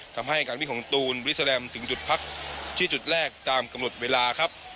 ทำให้การวิ่งของตูนบริสแรมถึงจุดพักที่จุดแรกตามกำหนดเวลาครับ